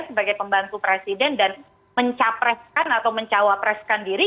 sebagai pembantu presiden dan mencapreskan atau mencawapreskan diri